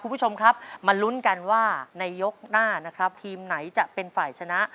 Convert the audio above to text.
พูดชมครับมารุ้นกันว่ายกหน้าทีมไหนจะเป็นฝ่ายชนะ